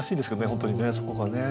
本当にねそこがね。